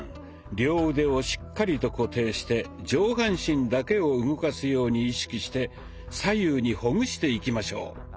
両腕をしっかりと固定して上半身だけを動かすように意識して左右にほぐしていきましょう。